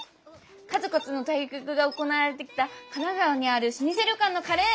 数々の対局が行われてきた神奈川にある老舗旅館の「カレー」！